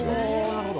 なるほど。